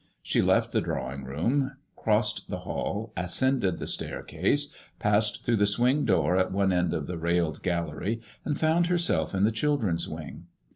She left the drawing room, crossed the hall, ascended the staircase, passed through the swing door at one end of the railed gallery, and found herself in the children's wing.